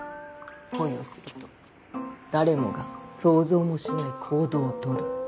恋をすると誰もが想像もしない行動を取る。